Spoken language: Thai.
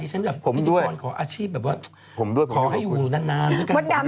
ที่ฉันแบบพิธีกรของอาชีพแบบว่าขอให้อยู่นานนึกันด้วย